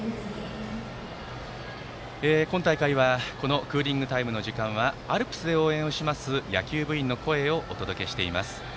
今大会はこのクーリングタイムの時間はアルプスで応援をします野球部員の声をお届けしています。